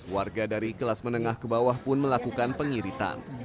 warga dari kelas menengah ke bawah pun melakukan pengiritan